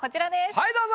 はいどうぞ！